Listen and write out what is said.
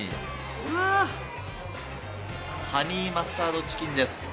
うわっ、ハニーマスタードチキンです。